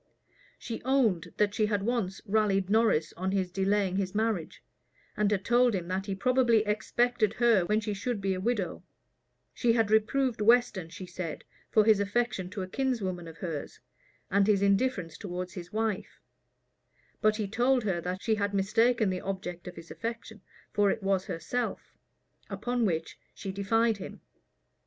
She owned that she had once rallied Norris on his delaying his marriage, and had told him that he probably expected her when she should be a widow: she had reproved Weston, she said, for his affection to a kinswoman of hers, and his indifference towards his wife; but he told her that she had mistaken the object of his affection, for it was herself; upon which she defied him.